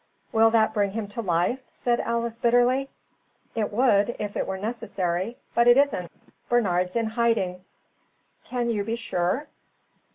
"Will that bring him to life?" said Alice, bitterly. "It would, if it were necessary; but it isn't. Bernard's in hiding." "Can you be sure?"